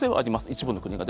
一部の国が。